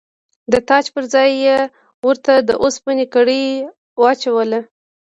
د تاج پر ځای یې ورته د اوسپنې کړۍ واچوله.